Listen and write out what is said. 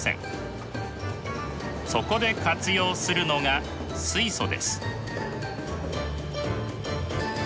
そこで活用するのが水素です。